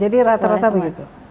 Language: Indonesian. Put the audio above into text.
jadi rata rata begitu